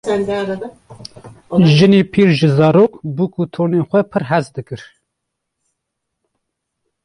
Jinepîr ji zarok, bûk û tornên xwe pir hez dikir.